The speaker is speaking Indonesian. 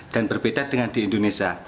dan berbeda dengan di indonesia